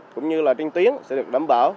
cũng như là trinh tuyến sẽ được đảm bảo